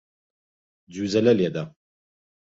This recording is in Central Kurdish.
جوزەلە لێدە.